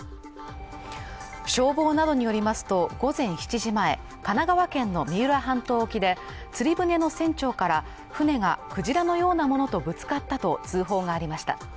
消防などによりますと午前７時前、神奈川県の三浦半島沖で釣り船の船長から船がクジラのようなものとぶつかったと通報がありました。